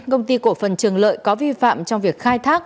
công ty cổ phần trường lợi có vi phạm trong việc khai thác